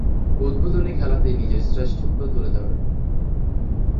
উদ্বোধনী খেলাতেই নিজের শ্রেষ্ঠত্ব তুলে ধরেন।